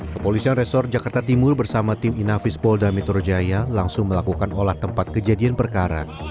kepolisian resor jakarta timur bersama tim inafis polda metro jaya langsung melakukan olah tempat kejadian perkara